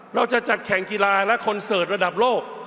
เราจะจัดแข่งกีฬาและคอนเสิร์ตระดับโลก